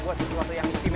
buat sesuatu yang istimewa